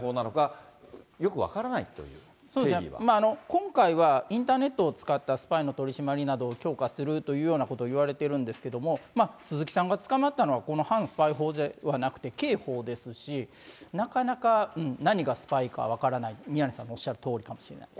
今回はインターネットを使ったスパイの取締りなどを強化するというようなことをいわれているんですけれども、鈴木さんが捕まったのは、この反スパイ法ではなくて刑法ですし、なかなか何がスパイか分からない、宮根さんがおっしゃるとおりです。